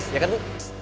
iya kan bu